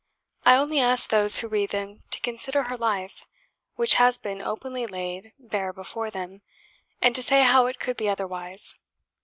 I only ask those who read them to consider her life, which has been openly laid bare before them, and to say how it could be otherwise.